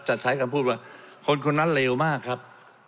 ใช้คำพูดว่าคนคนนั้นเลวมากครับ